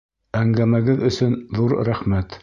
— Әңгәмәгеҙ өсөн ҙур рәхмәт!